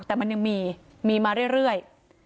แต่มันยังมีมีมาเรื่อย